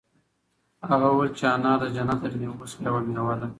هغه وویل چې انار د جنت له مېوو څخه یوه مېوه ده.